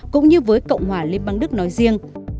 cũng như với cộng hòa liên bang đức nói riêng